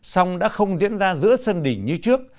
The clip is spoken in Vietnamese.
song đã không diễn ra giữa sân đỉnh như trước